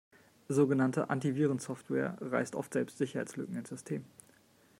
Sogenannte Antivirensoftware reißt oft selbst Sicherheitslücken ins System.